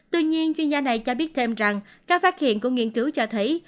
tuy nhiên chuyên gia này cho biết thêm rằng các phát hiện của nghiên cứu cho thấy